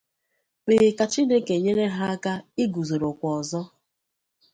kpee ka Chineke nyere ha aka iguzorokwa ọzọ